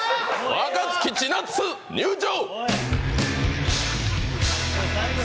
若槻千夏、入場！